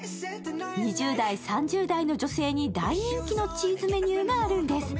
２０代、３０代の女性に大人気のチーズメニューがあるんです。